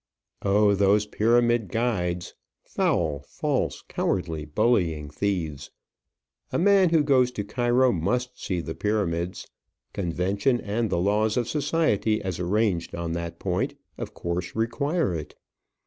Oh, those pyramid guides! foul, false, cowardly, bullying thieves! A man who goes to Cairo must see the Pyramids. Convention, and the laws of society as arranged on that point, of course require it.